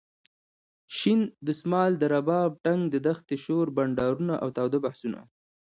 شین دسمال ،د رباب ټنګ د دښتې شور ،بنډارونه اوتاوده بحثونه.